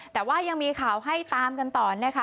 แต่ว่ายังมีข่าวให้ตามกันต่อนะคะ